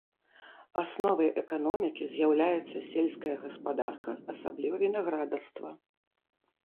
Асновай эканомікі з'яўляецца сельская гаспадарка, асабліва вінаградарства.